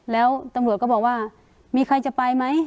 แล้วตำรวจก็บอกว่ามีใครจะไปไหม